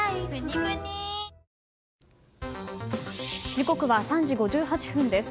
時刻は３時５８分です。